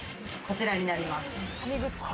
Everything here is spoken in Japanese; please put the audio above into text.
こちらになります。